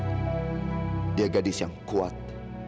dia gadis yang kuat